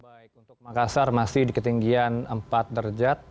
baik untuk makassar masih di ketinggian empat derajat